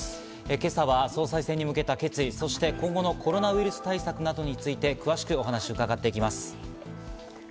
今朝は総裁選に向けた決意、そして今後のコロナウイルス対策などについて詳しくお話を伺っていきます。